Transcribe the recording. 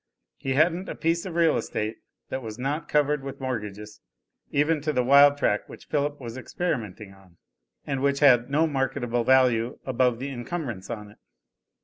He hadn't a piece of real estate that was not covered with mortgages, even to the wild tract which Philip was experimenting on, and which had, no marketable value above the incumbrance on it.